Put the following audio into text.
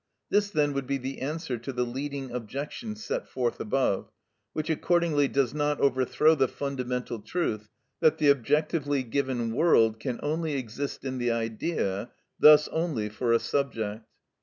This, then, would be the answer to the leading objection set forth above, which accordingly does not overthrow the fundamental truth that the objectively given world can only exist in the idea, thus only for a subject.